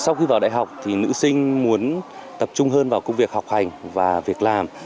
sau khi vào đại học thì nữ sinh muốn tập trung hơn vào công việc học hành và việc làm